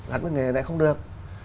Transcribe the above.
gắn với nghề này không được